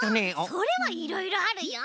それはいろいろあるよ。